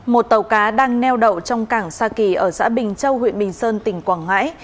một tàu cá đang neo đậu trong cảng sa kỳ ở xã bình châu huyện bình sơn tỉnh quảng ngãi